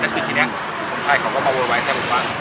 ทีนี้คนไทยเขาก็มาโวยไว้แท่เหมือนกัน